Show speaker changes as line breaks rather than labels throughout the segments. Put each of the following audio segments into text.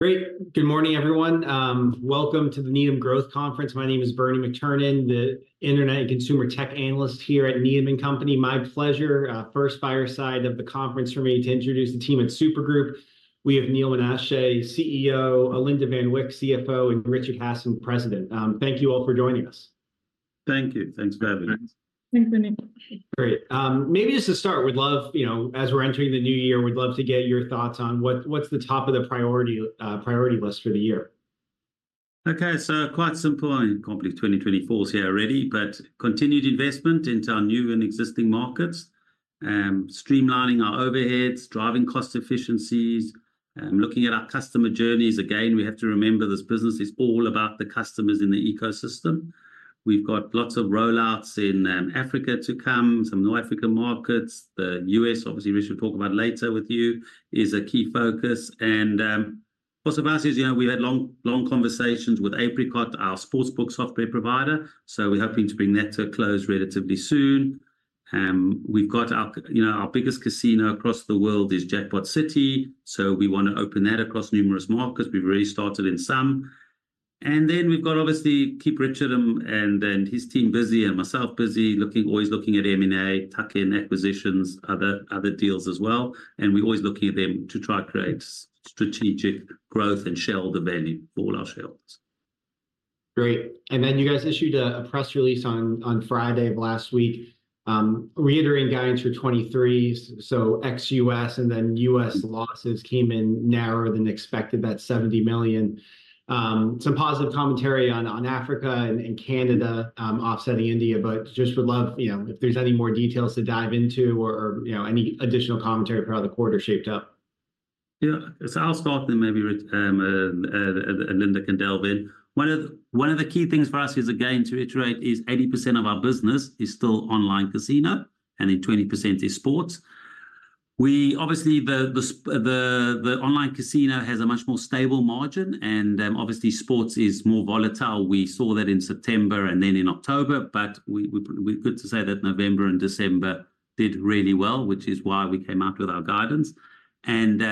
Great. Good morning, everyone. Welcome to the Needham Growth Conference. My name is Bernie McTernan, the internet and consumer tech analyst here at Needham & Company. My pleasure, first fireside of the conference for me to introduce the team at Super Group. We have Neal Menashe, CEO, Alinda Van Wyk, CFO, and Richard Hasson, president. Thank you all for joining us.
Thank you. Thanks for having us.
Thanks, Bernie.
Great. Maybe just to start, we'd love, you know, as we're entering the new year, we'd love to get your thoughts on what's the top of the priority, priority list for the year?
Okay, so quite simple, and can't believe 2024's here already, but continued investment into our new and existing markets, streamlining our overheads, driving cost efficiencies, and looking at our customer journeys. Again, we have to remember this business is all about the customers in the ecosystem. We've got lots of rollouts in Africa to come, some new African markets. The U.S., obviously, which we'll talk about later with you, is a key focus. And, also for us, as you know, we had long, long conversations with Apricot, our sportsbook software provider, so we're hoping to bring that to a close relatively soon. We've got our. You know, our biggest casino across the world is JackpotCity, so we wanna open that across numerous markets. We've already started in some. And then we've got, obviously, keep Richard and then his team busy, and myself busy, looking, always looking at M&A, tuck-in acquisitions, other deals as well, and we're always looking at them to try to create strategic growth and shareholder value for all our shareholders.
Great. Then you guys issued a press release on Friday of last week, reiterating guidance for 2023, so ex U.S., and then U.S. losses came in narrower than expected, that $70 million. Some positive commentary on Africa and Canada, offsetting India, but just would love, you know, if there's any more details to dive into, or, you know, any additional commentary about how the quarter shaped up.
Yeah. So I'll start, and then maybe Rich and Linda can delve in. One of the key things for us is, again, to iterate, is 80% of our business is still online casino, and then 20% is sports. We-- obviously, the online casino has a much more stable margin, and, obviously, sports is more volatile. We saw that in September and then in October, but we're good to say that November and December did really well, which is why we came out with our guidance. And,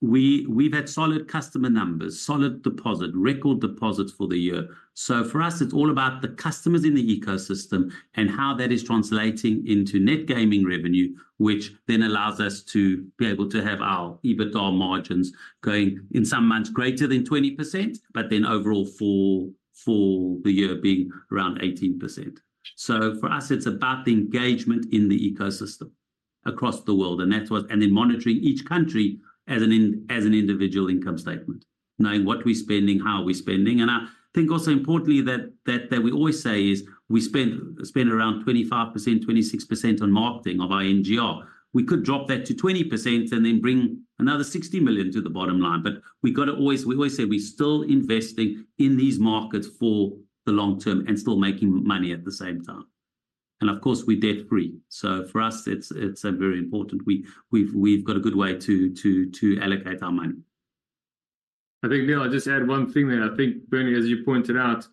we've had solid customer numbers, solid deposit, record deposits for the year. So for us, it's all about the customers in the ecosystem and how that is translating into net gaming revenue, which then allows us to be able to have our EBITDA margins going, in some months, greater than 20%, but then overall for the year being around 18%. So for us, it's about the engagement in the ecosystem across the world, and that's what and then monitoring each country as an individual income statement, knowing what we're spending, how we're spending. And I think also importantly that we always say is we spend around 25%, 26% on marketing of our NGR. We could drop that to 20% and then bring another 60 million to the bottom line, but we've gotta always, we always say we're still investing in these markets for the long term and still making money at the same time. And of course, we're debt-free, so for us, it's very important. We've got a good way to allocate our money.
I think, Neal, I'll just add one thing there. I think, Bernie, as you pointed out,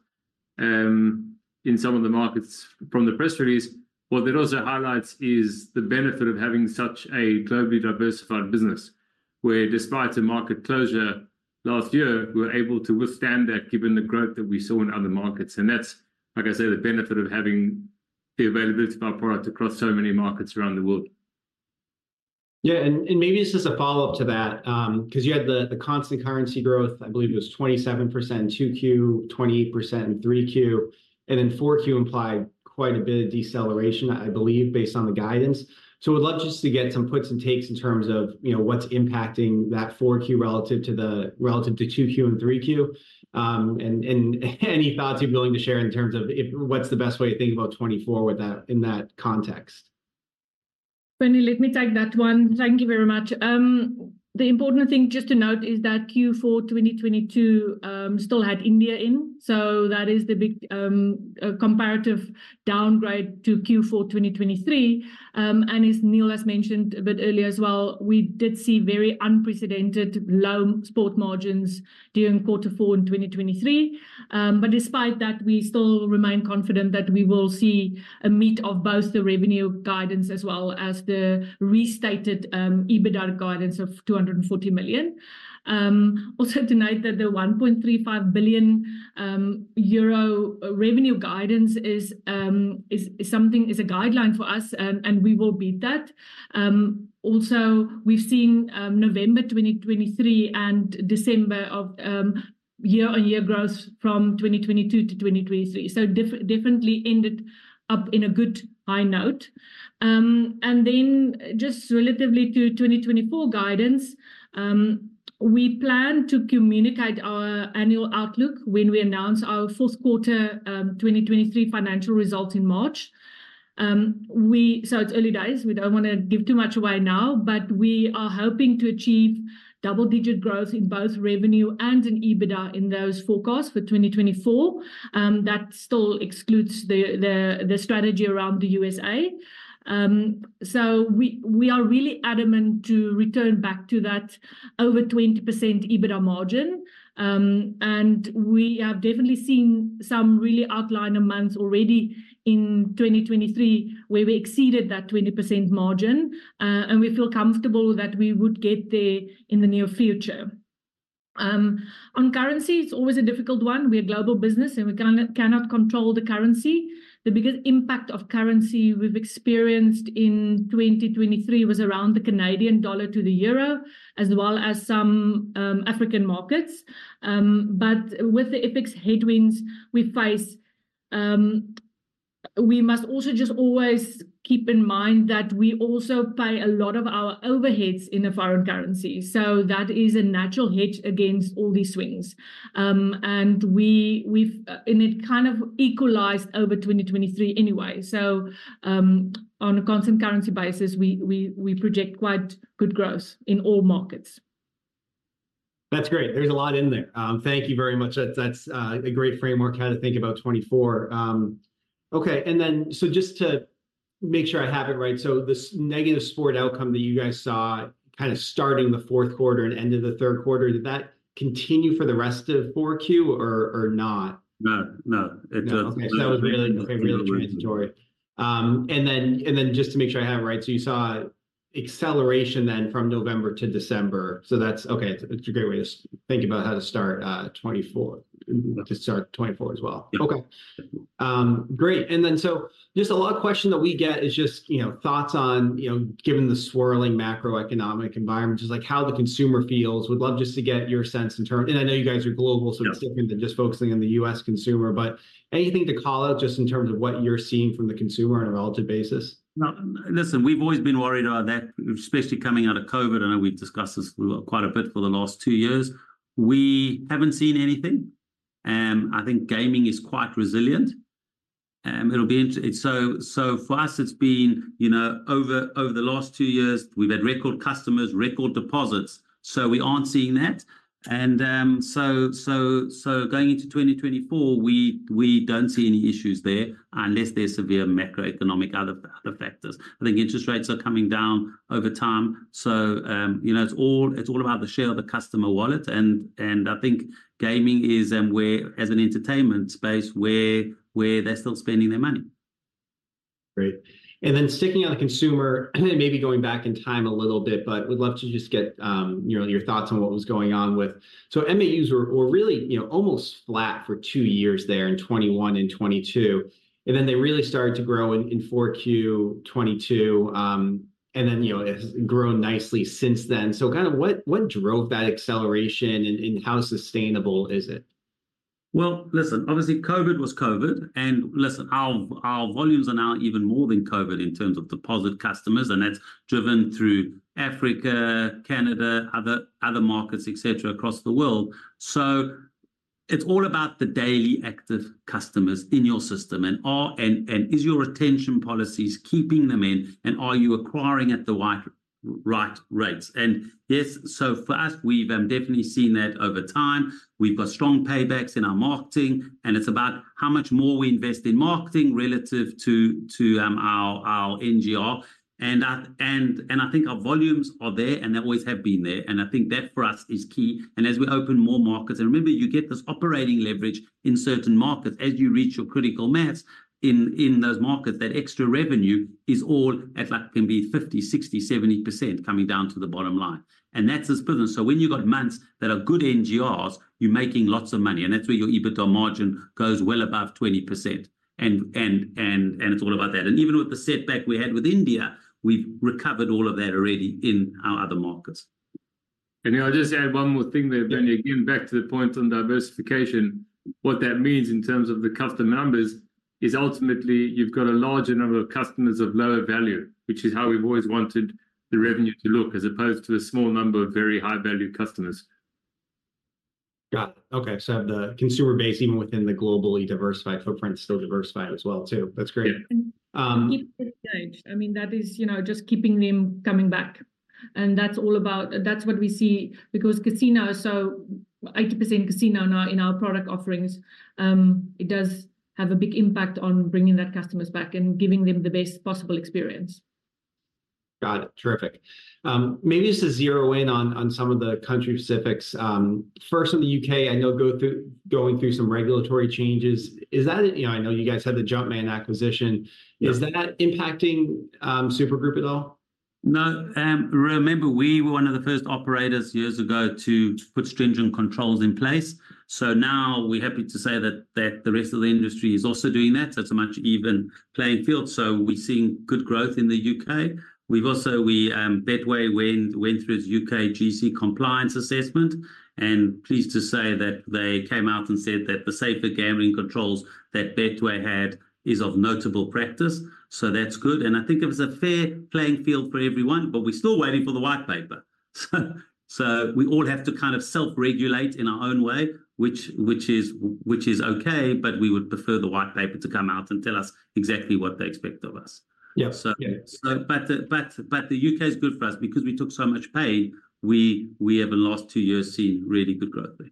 in some of the markets from the press release, what that also highlights is the benefit of having such a globally diversified business, where despite a market closure last year, we were able to withstand that given the growth that we saw in other markets. And that's, like I say, the benefit of having the availability of our product across so many markets around the world.
Yeah, and maybe just as a follow-up to that, 'cause you had the constant currency growth, I believe it was 27% in 2Q, 28% in 3Q, and then 4Q implied quite a bit of deceleration, I believe, based on the guidance. So I would love just to get some puts and takes in terms of, you know, what's impacting that 4Q relative to 2Q and 3Q. And any thoughts you're willing to share in terms of what's the best way to think about 2024 with that, in that context?
Bernie, let me take that one. Thank you very much. The important thing just to note is that Q4 2022 still had India in, so that is the big comparative downgrade to Q4 2023. And as Neal has mentioned a bit earlier as well, we did see very unprecedented low sport margins during quarter four in 2023. But despite that, we still remain confident that we will see a meet of both the revenue guidance, as well as the restated EBITDA guidance of 240 million. Also note that the 1.35 billion euro revenue guidance is something, is a guideline for us, and we will beat that. Also, we've seen November 2023 and December of year-on-year growth from 2022 to 2023, so definitely ended up in a good high note. And then just relatively to 2024 guidance, we plan to communicate our annual outlook when we announce our fourth quarter 2023 financial results in March. So it's early days, we don't wanna give too much away now, but we are hoping to achieve double-digit growth in both revenue and in EBITDA in those forecasts for 2024. That still excludes the strategy around the USA. So we are really adamant to return back to that over 20% EBITDA margin. And we have definitely seen some really outlier months already in 2023, where we exceeded that 20% margin. And we feel comfortable that we would get there in the near future. On currency, it's always a difficult one. We're a global business, and we cannot, cannot control the currency. The biggest impact of currency we've experienced in 2023 was around the Canadian dollar to the euro, as well as some African markets. But with the FX headwinds we face, we must also just always keep in mind that we also pay a lot of our overheads in a foreign currency. So that is a natural hedge against all these swings. And we've, and it kind of equalized over 2023 anyway. So, on a constant currency basis, we project quite good growth in all markets.
That's great. There's a lot in there. Thank you very much. That, that's, a great framework how to think about 2024. Okay, and then so just to make sure I have it right, so this negative sport outcome that you guys saw kind of starting the fourth quarter and end of the third quarter, did that continue for the rest of 4Q or not?
No. No, it-
No. Okay, so that was really-
It was really-
really transitory. And then just to make sure I have it right, so you saw acceleration then from November to December. So that's okay, it's a great way to think about how to start 2024, to start 2024 as well.
Yeah.
Okay. Great. And then so just a lot of questions that we get is just, you know, thoughts on, you know, given the swirling macroeconomic environment, just like how the consumer feels. We'd love just to get your sense in terms- and I know you guys are global-
Yeah...
so it's different than just focusing on the U.S. consumer. But anything to call out, just in terms of what you're seeing from the consumer on a relative basis?
No. Listen, we've always been worried about that, especially coming out of COVID, and I know we've discussed this quite a bit for the last two years. We haven't seen anything, and I think gaming is quite resilient, and it'll be. So for us, it's been, you know, over the last two years, we've had record customers, record deposits, so we aren't seeing that. And so going into 2024, we don't see any issues there, unless there's severe macroeconomic other factors. I think interest rates are coming down over time, so you know, it's all about the share of the customer wallet. And I think gaming is where, as an entertainment space, where they're still spending their money.
Great. And then sticking on the consumer, maybe going back in time a little bit, but we'd love to just get, you know, your thoughts on what was going on with. So MAUs were really, you know, almost flat for two years there in 2021 and 2022, and then they really started to grow in 4Q 2022. And then, you know, it has grown nicely since then. So kind of what drove that acceleration, and how sustainable is it?
Well, listen, obviously, COVID was COVID. And listen, our volumes are now even more than COVID in terms of deposit customers, and that's driven through Africa, Canada, other markets, et cetera, across the world. So it's all about the daily active customers in your system, and are your retention policies keeping them in, and are you acquiring at the right rates? And this, so for us, we've definitely seen that over time. We've got strong paybacks in our marketing, and it's about how much more we invest in marketing relative to our NGR. And I think our volumes are there, and they always have been there, and I think that, for us, is key. And as we open more markets, and remember, you get this operating leverage in certain markets. As you reach your critical mass in those markets, that extra revenue is all, at like, can be 50, 60, 70% coming down to the bottom line, and that's as business. So when you've got months that are good NGRs, you're making lots of money, and that's where your EBITDA margin goes well above 20%. And it's all about that. Even with the setback we had with India, we've recovered all of that already in our other markets.
May I just add one more thing there, Neal?
Yeah.
Again, back to the point on diversification, what that means in terms of the customer numbers is ultimately you've got a larger number of customers of lower value, which is how we've always wanted the revenue to look, as opposed to a small number of very high-value customers.
Got it. Okay, so the consumer base, even within the globally diversified footprint, is still diversified as well, too. That's great.
Yeah.
Um-
Keep them engaged. I mean, that is, you know, just keeping them coming back, and that's all about, that's what we see, because casino, so 80% casino now in our product offerings, it does have a big impact on bringing that customers back and giving them the best possible experience.
Got it. Terrific. Maybe just to zero in on some of the country specifics, first, in the UK, I know going through some regulatory changes. Is that, you know, I know you guys had the Jumpman acquisition.
Yeah.
Is that impacting Super Group at all?
No. Remember, we were one of the first operators years ago to put stringent controls in place. So now we're happy to say that the rest of the industry is also doing that, so it's a much even playing field. So we're seeing good growth in the UK. We've also, Betway went through its UKGC compliance assessment, and pleased to say that they came out and said that the safer gambling controls that Betway had is of notable practice. So that's good, and I think there was a fair playing field for everyone, but we're still waiting for the white paper. So we all have to kind of self-regulate in our own way, which is okay, but we would prefer the white paper to come out and tell us exactly what they expect of us.
Yeah.
Yeah.
But the UK's good for us. Because we took so much pain, we have in the last two years seen really good growth there.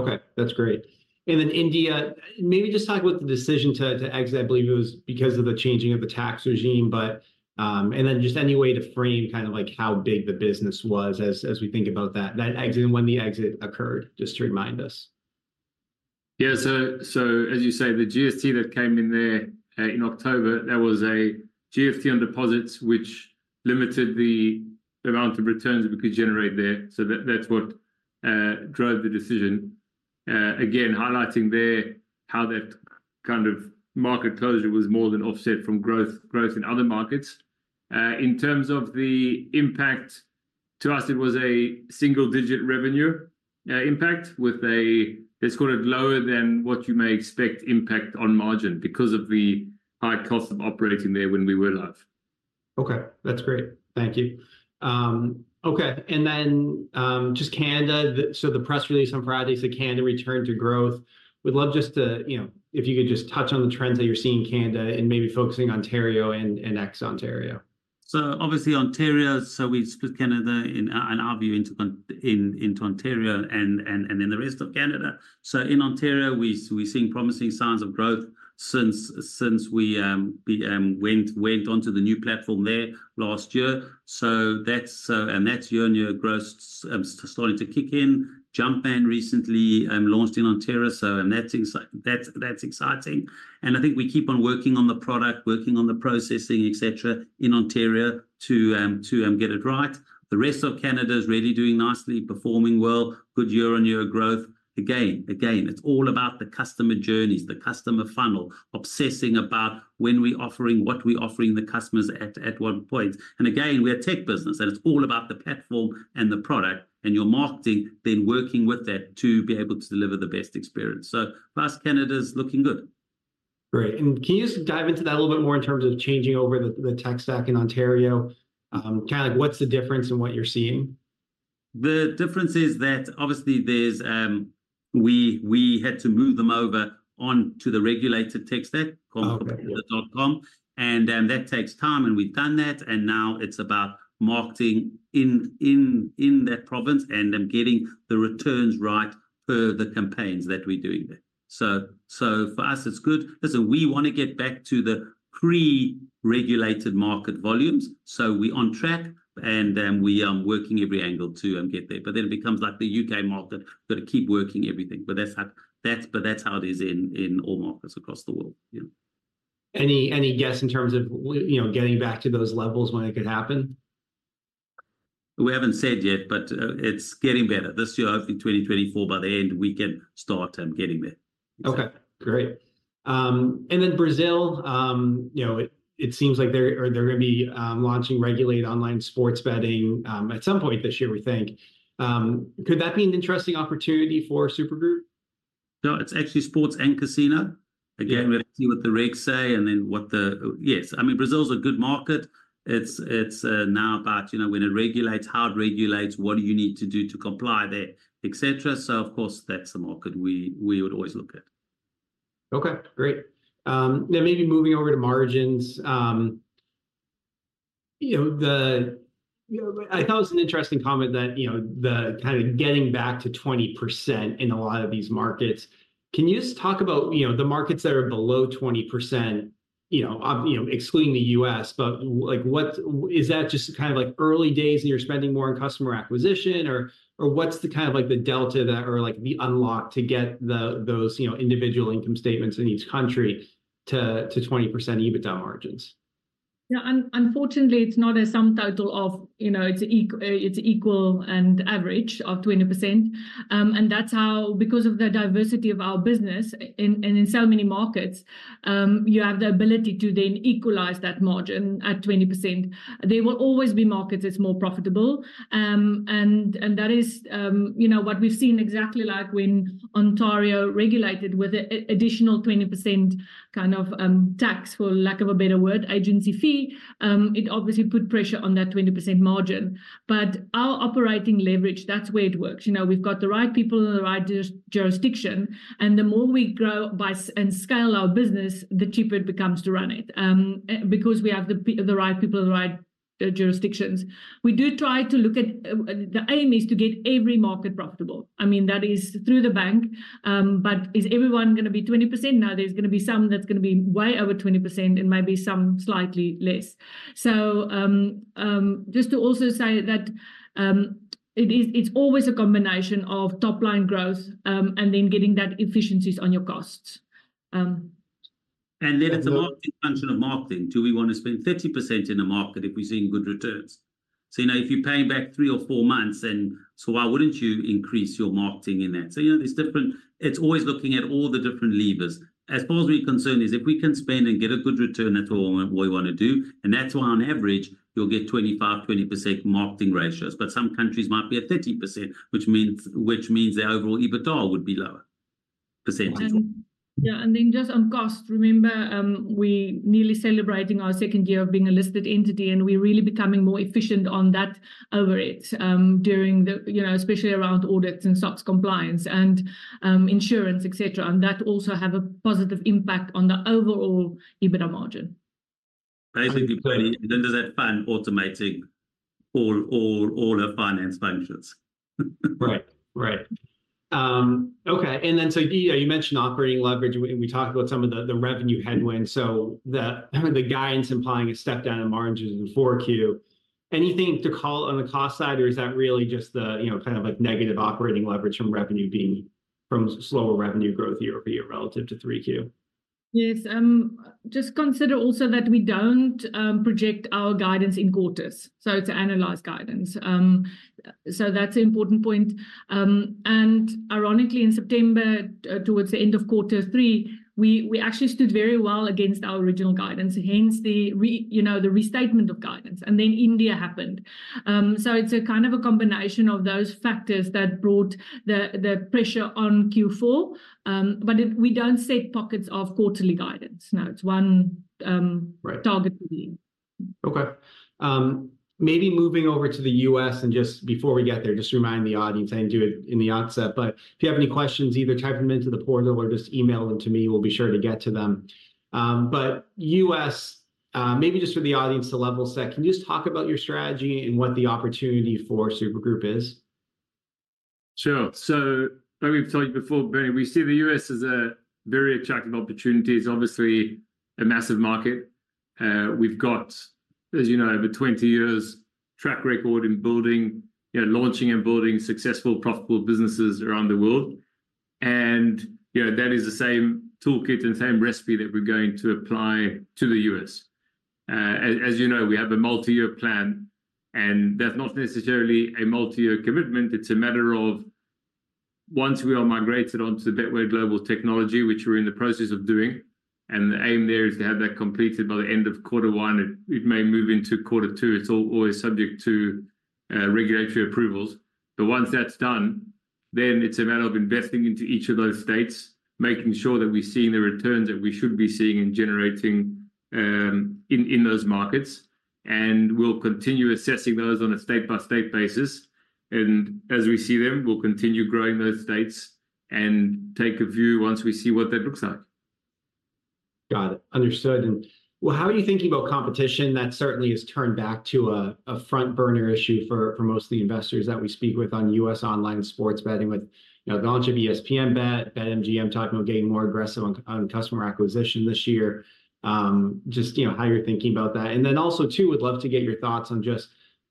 Okay, that's great. And then India, maybe just talk about the decision to exit. I believe it was because of the changing of the tax regime, but. And then just any way to frame kind of like how big the business was as we think about that exit and when the exit occurred, just to remind us?
Yea so as you say, the GST that came in there, in October, that was a GST on deposits, which limited the amount of returns we could generate there. So that, that's what drove the decision. Again, highlighting there how that kind of market closure was more than offset from growth, growth in other markets. In terms of the impact, to us it was a single-digit revenue impact, with a, let's call it, lower than what you may expect impact on margin because of the high cost of operating there when we were live.
Okay, that's great. Thank you. Okay, and then just Canada, so the press release on Friday said Canada returned to growth. We'd love just to, you know, if you could just touch on the trends that you're seeing in Canada, and maybe focusing on Ontario and ex Ontario.
So obviously, Ontario, so we split Canada in our view into Ontario and then the rest of Canada. So in Ontario, we've seen promising signs of growth since we went onto the new platform there last year. So that's year-on-year growth starting to kick in. Jumpman recently launched in Ontario, and that's exciting. And I think we keep on working on the product, working on the processing, et cetera, in Ontario to get it right. The rest of Canada is really doing nicely, performing well, good year-on-year growth. It's all about the customer journeys, the customer funnel, obsessing about when we offering, what we offering the customers at what point. Again, we're a tech business, and it's all about the platform and the product, and your marketing then working with that to be able to deliver the best experience. For us, Canada's looking good.
Great. And can you just dive into that a little bit more in terms of changing over the tech stack in Ontario? Kind of like, what's the difference in what you're seeing?
The difference is that obviously there's, we had to move them over onto the regulated tech stack-
Okay
called [inaudible] dot com. And that takes time, and we've done that, and now it's about marketing in that province and then getting the returns right per the campaigns that we're doing there. So for us, it's good. Listen, we want to get back to the pre-regulated market volumes, so we're on track, and we are working every angle to get there. But then it becomes like the UK market, we've got to keep working everything. But that's how it is in all markets across the world. Yeah.
Any, any guess in terms of, you know, getting back to those levels, when it could happen?
We haven't said yet, but it's getting better. This year, I think 2024, by the end, we can start getting there.
Okay, great. And then Brazil, you know, it seems like they're or they're gonna be launching regulated online sports betting at some point this year, we think. Could that be an interesting opportunity for Super Group?
No, it's actually sports and casino.
Yeah.
Again, we have to see what the regs say, and then what the. Yes. I mean, Brazil's a good market. It's now about, you know, when it regulates, how it regulates, what do you need to do to comply there, et cetera. So of course, that's a market we would always look at.
Okay, great. Then maybe moving over to margins, you know, the, you know, I thought it was an interesting comment that, you know, the kind of getting back to 20% in a lot of these markets. Can you just talk about, you know, the markets that are below 20%, you know, excluding the U.S., but, like, is that just kind of like early days and you're spending more on customer acquisition? Or, or what's the kind of like the delta that or, like, the unlock to get the, those, you know, individual income statements in each country to, to 20% EBITDA margins?
Yeah, unfortunately, it's not a sum total of, you know, it's equal and average of 20%. And that's how, because of the diversity of our business in, in so many markets, you have the ability to then equalize that margin at 20%. There will always be markets that's more profitable, and, and that is, you know, what we've seen exactly like when Ontario regulated with a additional 20% kind of, tax, for lack of a better word, agency fee. It obviously put pressure on that 20% margin. But our operating leverage, that's where it works. You know, we've got the right people in the right jurisdiction, and the more we grow and scale our business, the cheaper it becomes to run it, because we have the right people in the right jurisdictions. We do try to look at the aim is to get every market profitable. I mean, that is through the bank. But is everyone gonna be 20%? Now, there's gonna be some that's gonna be way over 20% and maybe some slightly less. So, just to also say that, it's always a combination of top-line growth, and then getting that efficiencies on your costs.
It's a marketing function of marketing. Do we want to spend 30% in a market if we're seeing good returns? So, you know, if you're paying back three or four months, then so why wouldn't you increase your marketing in that? So, you know, there's different, it's always looking at all the different levers. As far as we're concerned is, if we can spend and get a good return, that's all we, we wanna do, and that's why on average, you'll get 25%-20% marketing ratios. But some countries might be at 30%, which means, which means their overall EBITDA would be lower percentage.
And, yeah, and then just on cost, remember, we're nearly celebrating our second year of being a listed entity, and we're really becoming more efficient on that over it, during the... You know, especially around audits and SOX compliance and, insurance, et cetera, and that also have a positive impact on the overall EBITDA margin.
Basically, clearly, then there's that plan automating all our finance functions.
Right. Okay, and then so, yeah, you mentioned operating leverage, and we talked about some of the revenue headwinds. So the, I mean, the guidance implying a step down in margins in the Q4 anything to call on the cost side, or is that really just the, you know, kind of like negative operating leverage from revenue being from slower revenue growth year over year relative to Q3?
Yes, just consider also that we don't project our guidance in quarters, so it's annualized guidance. So that's an important point. And ironically, in September, towards the end of quarter three, we actually stood very well against our original guidance, hence the you know, the restatement of guidance, and then India happened. So it's a kind of a combination of those factors that brought the pressure on Q4. But we don't set pockets of quarterly guidance. No, it's one.
Right
Target for me.
Okay. Maybe moving over to the U.S., and just before we get there, just remind the audience, I didn't do it in the onset, but if you have any questions, either type them into the portal or just email them to me, we'll be sure to get to them. But U.S., maybe just for the audience to level set, can you just talk about your strategy and what the opportunity for Super Group is?
Sure. So like we've told you before, Bernie, we see the U.S. as a very attractive opportunity. It's obviously a massive market. We've got, as you know, over 20 years track record in building, you know, launching and building successful, profitable businesses around the world. And, you know, that is the same toolkit and same recipe that we're going to apply to the U.S. As you know, we have a multi-year plan, and that's not necessarily a multi-year commitment, it's a matter of once we are migrated onto the Betway global technology, which we're in the process of doing, and the aim there is to have that completed by the end of quarter one, it may move into quarter two. It's all always subject to regulatory approvals. But once that's done, then it's a matter of investing into each of those states, making sure that we're seeing the returns that we should be seeing and generating in those markets. And we'll continue assessing those on a state-by-state basis, and as we see them, we'll continue growing those states and take a view once we see what that looks like.
Got it. Understood. And, well, how are you thinking about competition? That certainly has turned back to a front burner issue for most of the investors that we speak with on U.S. online sports betting, with, you know, the launch of ESPN Bet, BetMGM talking about getting more aggressive on customer acquisition this year. Just, you know, how you're thinking about that. And then also, too, would love to get your thoughts on just,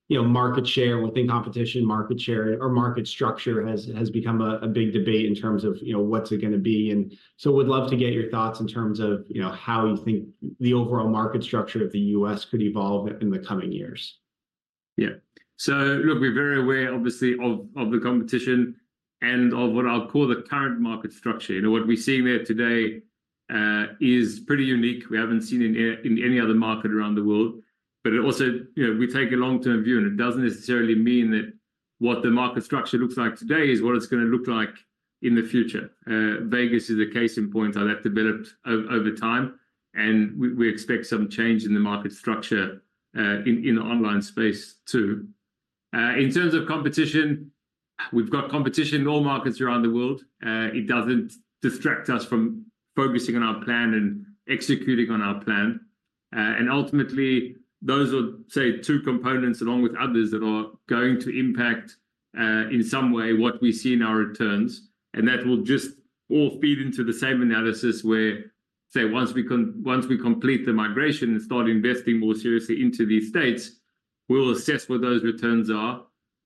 you know, market share within competition, market share or market structure has become a big debate in terms of, you know, what's it gonna be? And so would love to get your thoughts in terms of, you know, how you think the overall market structure of the U.S. could evolve in the coming years.
Yeah. So look, we're very aware, obviously, of the competition and of what I'll call the current market structure. You know, what we're seeing there today is pretty unique. We haven't seen it in any other market around the world. But it also, you know, we take a long-term view, and it doesn't necessarily mean that what the market structure looks like today is what it's gonna look like in the future. Vegas is a case in point how that developed over time, and we expect some change in the market structure in the online space, too. In terms of competition, we've got competition in all markets around the world. It doesn't distract us from focusing on our plan and executing on our plan. Ultimately, those are, say, two components along with others, that are going to impact in some way what we see in our returns. That will just all feed into the same analysis where, say, once we complete the migration and start investing more seriously into these states, we'll assess what those returns are.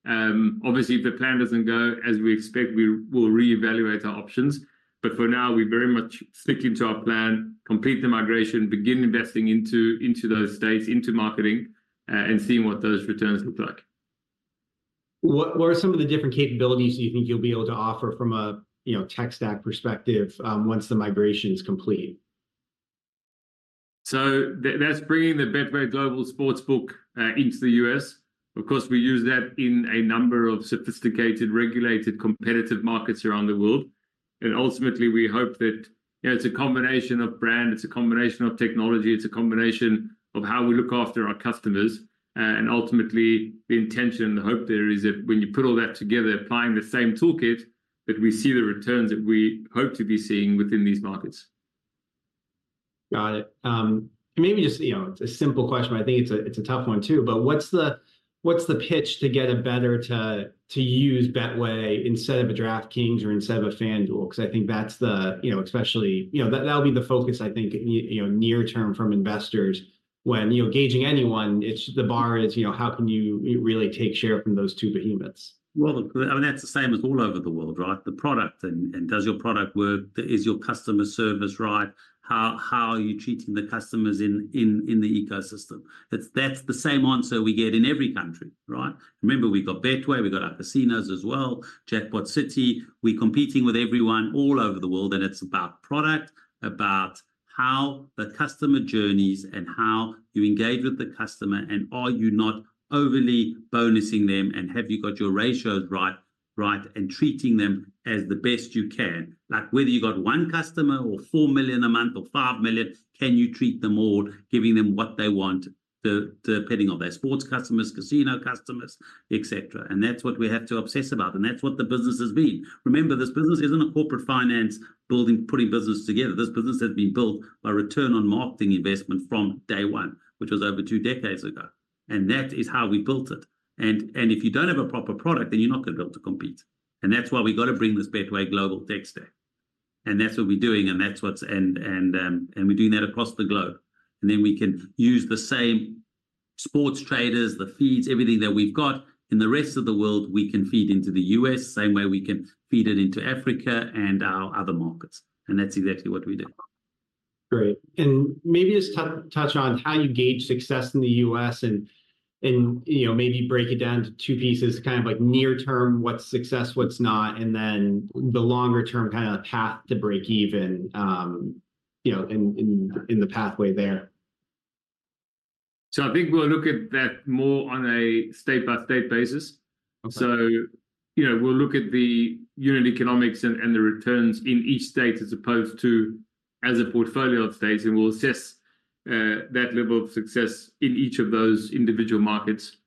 Obviously, if the plan doesn't go as we expect, we will reevaluate our options, but for now, we're very much sticking to our plan, complete the migration, begin investing into those states into marketing, and seeing what those returns look like.
What are some of the different capabilities you think you'll be able to offer from a, you know, tech stack perspective, once the migration is complete?
So that's bringing the Betway global sportsbook into the U.S. Of course, we use that in a number of sophisticated, regulated, competitive markets around the world. And ultimately, we hope that, you know, it's a combination of brand, it's a combination of technology, it's a combination of how we look after our customers, and ultimately, the intention and the hope there is that when you put all that together, applying the same toolkit, that we see the returns that we hope to be seeing within these markets.
Got it. Maybe just, you know, it's a simple question, but I think it's a, it's a tough one, too, but what's the, what's the pitch to get a bettor to, to use Betway instead of a DraftKings or instead of a FanDuel? Because I think that's the... you know, especially, you know, that, that'll be the focus, I think, you know, near term from investors when, you know, gauging anyone, it's, the bar is, you know, how can you, you really take share from those two behemoths.
Well, I mean, that's the same as all over the world, right? The product and does your product work? Is your customer service right? How are you treating the customers in the ecosystem? That's the same answer we get in every country, right? Remember, we've got Betway, we've got our casinos as well, JackpotCity. We're competing with everyone all over the world, and it's about product, about how the customer journeys and how you engage with the customer, and are you not overly bonusing them, and have you got your ratios right, right, and treating them as the best you can? Like, whether you've got one customer or 4 million a month or 5 million, can you treat them all, giving them what they want, depending on their sports customers, casino customers, et cetera. And that's what we have to obsess about, and that's what the business has been. Remember, this business isn't a corporate finance building, putting business together. This business has been built by return on marketing investment from day one, which was over two decades ago, and that is how we built it. If you don't have a proper product, then you're not going to be able to compete, and that's why we've got to bring this Betway global tech stack, and that's what we're doing, and we're doing that across the globe. Then we can use the same sports traders, the feeds, everything that we've got in the rest of the world, we can feed into the U.S., same way we can feed it into Africa and our other markets, and that's exactly what we do.
Great. And maybe just touch on how you gauge success in the U.S. and, you know, maybe break it down to two pieces, kind of like near term, what's success, what's not, and then the longer term kind of path to break even, you know, in the pathway there.
I think we'll look at that more on a state-by-state basis.
Okay.
So, you know, we'll look at the unit economics and the returns in each state as opposed to as a portfolio of states, and we'll assess that level of success in each of those individual markets.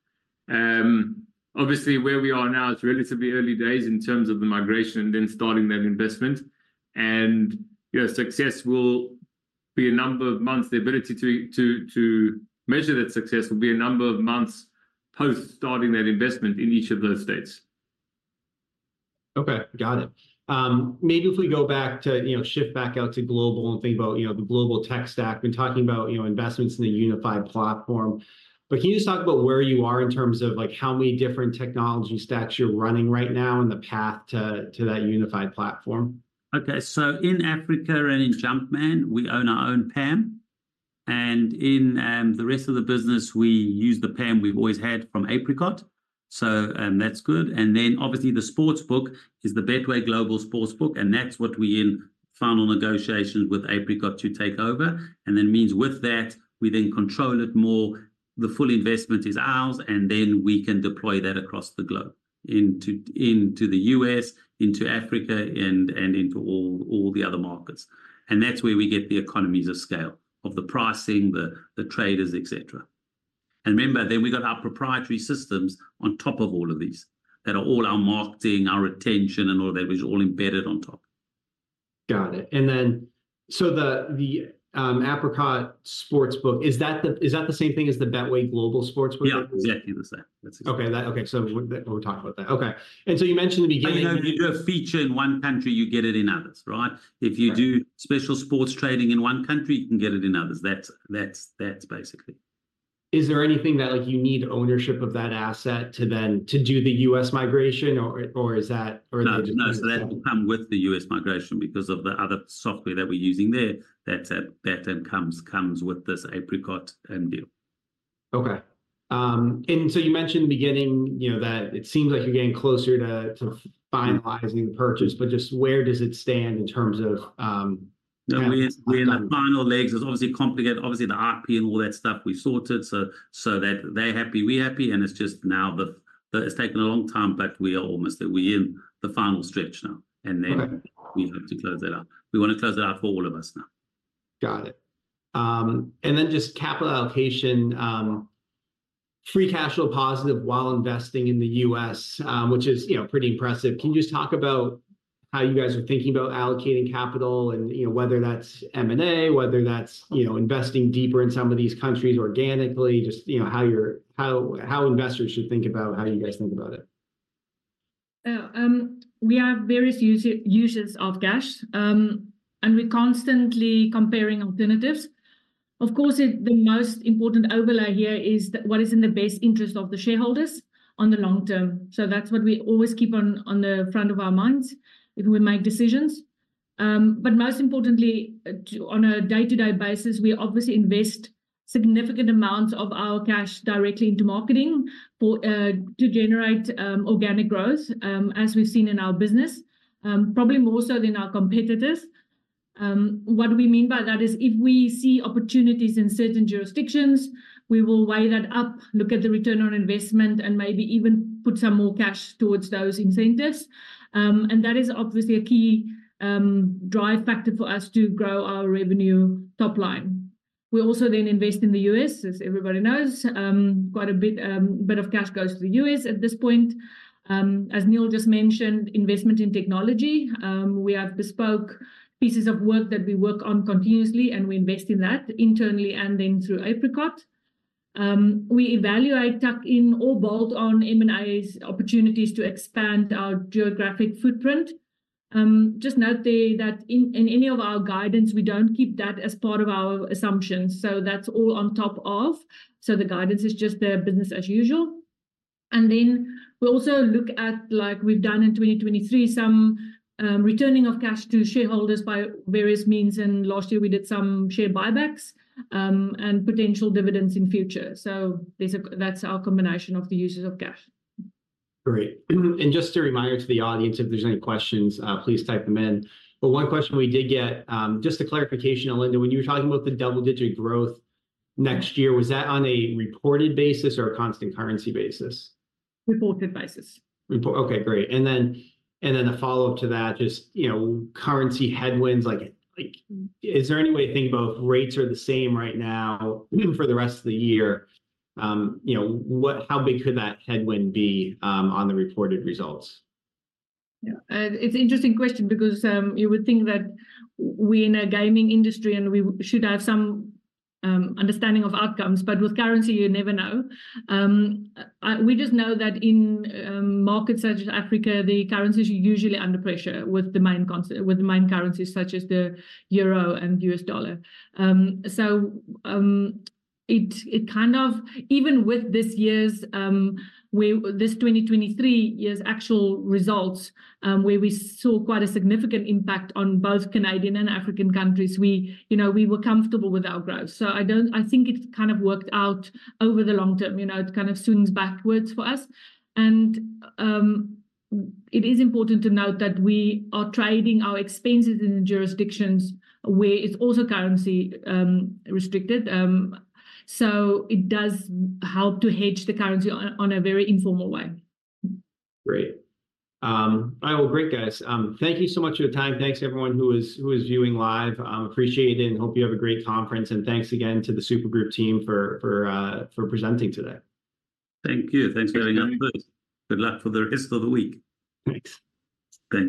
Obviously, where we are now, it's relatively early days in terms of the migration and then starting that investment. And, you know, success will be a number of months. The ability to measure that success will be a number of months post starting that investment in each of those states.
Okay, got it. Maybe if we go back to, you know, shift back out to global and think about, you know, the global tech stack. We're talking about, you know, investments in a unified platform. But can you just talk about where you are in terms of, like, how many different technology stacks you're running right now and the path to that unified platform?
Okay, so in Africa and in Jumpman, we own our own PAM. And in the rest of the business, we use the PAM we've always had from Apricot, so that's good. And then obviously the sportsbook is the Betway global sportsbook, and that's what we're in final negotiations with Apricot to take over. And that means with that, we then control it more, the full investment is ours, and then we can deploy that across the globe, into the U.S., into Africa, and into all the other markets. And that's where we get the economies of scale, of the pricing, the traders, etc. And remember, then we've got our proprietary systems on top of all of these, that are all our marketing, our retention, and all that, which is all embedded on top.
Got it. And then, so the Apricot sportsbook, is that the same thing as the Betway global sportsbook?
Yeah, exactly the same.
Okay, so we talked about that. Okay. And so you mentioned in the beginning-
If you do a feature in one country, you get it in others, right?
Right.
If you do special sports trading in one country, you can get it in others. That's basically it.
Is there anything that, like, you need ownership of that asset to do the U.S. migration, or is that?
No, no, so that will come with the U.S. migration because of the other software that we're using there. That then comes with this Apricot deal.
Okay. And so you mentioned in the beginning, you know, that it seems like you're getting closer to finalizing the purchase, but just where does it stand in terms of, yeah, like-
We're in the final legs. It's obviously complicated. Obviously, the IP and all that stuff, we've sorted, so that they're happy, we're happy, and it's just now the—but it's taken a long time, but we are almost there. We're in the final stretch now, and then—
Okay...
we hope to close that out. We want to close it out for all of us now.
Got it. And then just capital allocation, free cash flow positive while investing in the U.S., which is, you know, pretty impressive. Can you just talk about how you guys are thinking about allocating capital and, you know, whether that's M&A, whether that's, you know, investing deeper in some of these countries organically, just, you know, how investors should think about how you guys think about it?
We have various usages of cash, and we're constantly comparing alternatives. Of course, the most important overlay here is what is in the best interest of the shareholders on the long term. So that's what we always keep on the front of our minds if we make decisions. But most importantly, on a day-to-day basis, we obviously invest significant amounts of our cash directly into marketing to generate organic growth, as we've seen in our business, probably more so than our competitors. What we mean by that is if we see opportunities in certain jurisdictions, we will weigh that up, look at the return on investment, and maybe even put some more cash towards those incentives. And that is obviously a key drive factor for us to grow our revenue top line. We also then invest in the U.S., as everybody knows. Quite a bit of cash goes to the U.S. at this point. As Neal just mentioned, investment in technology. We have bespoke pieces of work that we work on continuously, and we invest in that internally and then through Apricot. We evaluate tuck-in or bolt-on M&A opportunities to expand our geographic footprint. Just note there that in any of our guidance, we don't keep that as part of our assumptions, so that's all on top of, so the guidance is just the business as usual. And then we also look at, like we've done in 2023, some returning of cash to shareholders by various means, and last year we did some share buybacks, and potential dividends in future. So basically that's our combination of the uses of cash.
Great. Just a reminder to the audience, if there's any questions, please type them in. One question we did get, just a clarification, Alinda, when you were talking about the double-digit growth next year, was that on a reported basis or a constant currency basis?
Reported basis.
Okay, great. And then a follow-up to that, just, you know, currency headwinds, like, is there any way to think about rates are the same right now, even for the rest of the year? You know, how big could that headwind be on the reported results?
Yeah. It's an interesting question because you would think that we're in a gaming industry, and we should have some understanding of outcomes, but with currency, you never know. We just know that in markets such as Africa, the currency is usually under pressure with the main currencies such as the Euro and U.S. dollar. So, it kind of, even with this 2023 year's actual results, where we saw quite a significant impact on both Canadian and African countries, you know, we were comfortable with our growth. So I think it kind of worked out over the long term. You know, it kind of swings backwards for us. It is important to note that we are trading our expenses in jurisdictions where it's also currency restricted, so it does help to hedge the currency on a very informal way.
Great. All right, well, great, guys. Thank you so much for your time. Thanks everyone who is viewing live. Appreciate it, and hope you have a great conference. And thanks again to the Super Group team for presenting today.
Thank you. Thanks very much.
Thank you.
Good luck for the rest of the week.
Thanks.
Thank you.